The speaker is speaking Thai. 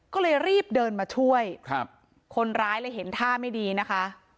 ก็เลยรีบเดินมาช่วยครับคนร้ายเลยเห็นท่าไม่ดีนะคะ